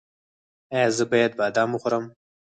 ایا زه باید بادام وخورم؟